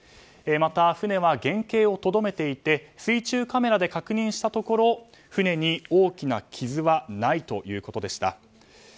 また、船は原形をとどめていて水中カメラで確認したところ船に大きな傷はないということでした。